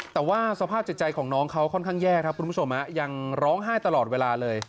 แต่ว่าสภาพจิตใจของน้องเขาค่อนข้างแย่ครับคุณผู้ชมยังร้องไห้ตลอดเวลาเลย